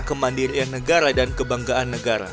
kemandirian negara dan kebanggaan negara